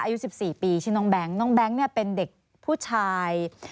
อายุ๑๔ปีชื่อน้องแบงค์น้องแบงค์เนี่ยเป็นเด็กผู้ชาย